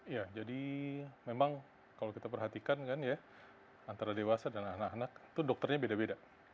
ya jadi memang kalau kita perhatikan kan ya antara dewasa dan anak anak itu dokternya beda beda